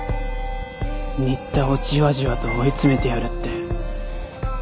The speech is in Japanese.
新田をじわじわと追い詰めてやるって。